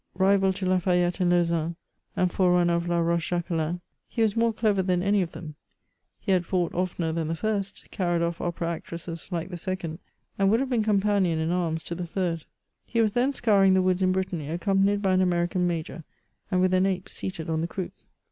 Rival to Lafayette and Lauzun, and forerunner of La Rochejaqaelein, he was more clever than any of them ; he had fought often er than the first ; carried off opera actresses like the Becond ; and would have been companion in arms to the thinL 228 MEMOIKS OF He was then scouring the woods in Brittany, accompanied hj an American major, and with an ape seated on the croup.